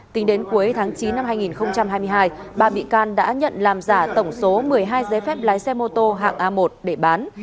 tính đến cuối tháng chín năm hai nghìn hai mươi hai ba bị can đã nhận làm giả tổng số một mươi hai giấy phép lái xe mô tô hạng a một để bán